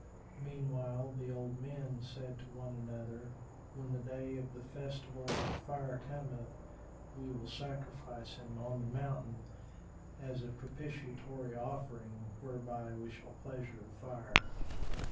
Meanwhile, the old men said to one another, "When the day of the Festival of the Fire cometh, we will sacrifice him on the mountain, as a propitiatory offering whereby we shall pleasure the Fire."